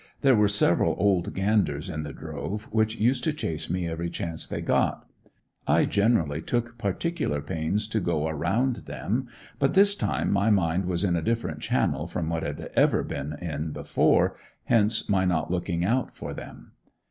There were several old ganders in the drove which used to chase me every chance they got. I generally took particular pains to go around them; but this time my mind was in a different channel from what it had ever been in before, hence my not looking out for them.